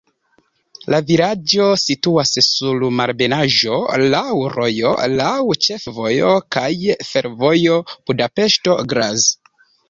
La vilaĝo situas sur malebenaĵo, laŭ rojo, laŭ ĉefvojo kaj fervojo Budapeŝto-Graz.